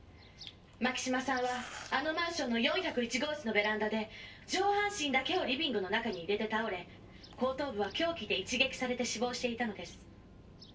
「牧島さんはあのマンションの４０１号室のベランダで上半身だけをリビングの中に入れて倒れ後頭部は凶器で一撃されて死亡していたのです」